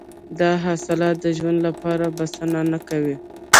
دا حاصلات د ژوند لپاره بسنه نه کوله.